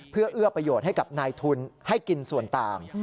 เพื่อเอื้อประโยชน์ให้กับนายทุนให้กินส่วนต่าง